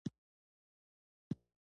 چرګان د افغانستان د سیاسي جغرافیه برخه ده.